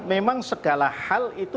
memang segala hal itu